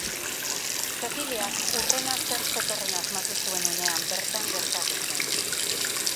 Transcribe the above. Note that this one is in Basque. Ceciliak hurrena zer zetorren asmatu zuen unean bertan gertatu zen.